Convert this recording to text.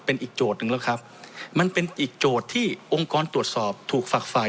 เป็นอีกโจทย์หนึ่งแล้วครับมันเป็นอีกโจทย์ที่องค์กรตรวจสอบถูกฝักฝ่าย